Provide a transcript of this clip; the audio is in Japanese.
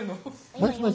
もしもし。